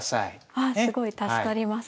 あすごい助かります。